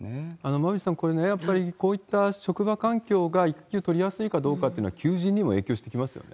馬渕さん、これ、やっぱりこういった職場環境が育休取りやすいかどうかというのは、求人にも影響してきますよね？